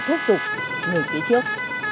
thúc giục người kỹ trước